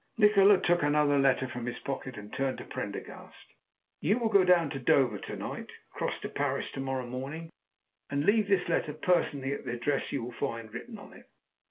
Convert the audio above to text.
Nikola took another letter from his pocket and turned to Prendergast. "You will go down to Dover to night, cross to Paris to morrow morning, and leave this letter personally at the address you will find written on it.